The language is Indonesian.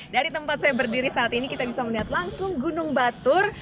dari tempat saya berdiri saat ini kita bisa melihat langsung gunung batur